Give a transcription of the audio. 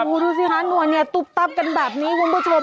ดูสิคะนัวเนี่ยตุ๊บตับกันแบบนี้คุณผู้ชม